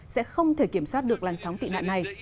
sẽ không thể kiểm soát được làn sóng tị nạn này